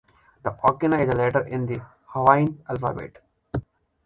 The okina is a letter in the Hawaiian alphabet.